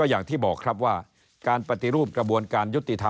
อย่างที่บอกครับว่าการปฏิรูปกระบวนการยุติธรรม